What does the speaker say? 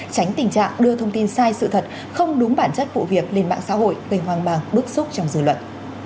tránh tình trạng đưa thông tin sai sự thật không đúng bản chất vụ việc lên mạng xã hội gây hoang mang bức xúc trong dư luận